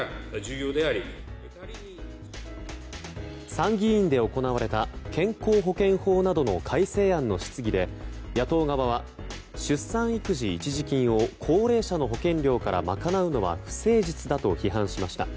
参議院で行われた健康保険法などの改正案の質疑で野党側は出産育児一時金を高齢者の保険料から賄うのは不誠実だと批判しました。